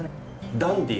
ダンディー！